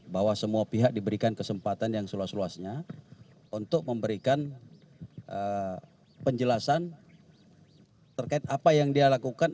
bahwa semua pihak diberikan kesempatan yang seluas luasnya untuk memberikan penjelasan terkait apa yang dia lakukan